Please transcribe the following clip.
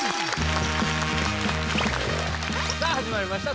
さあ始まりました